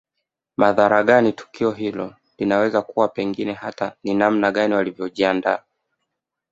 Madhara gani tukio hilo linaweza kuwa pengine hata ni namna gani walivyojiandaa